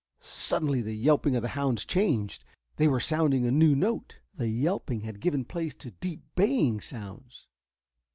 Suddenly the yelping of the hounds changed. They were sounding a new note. The yelping had given place to deep baying sounds.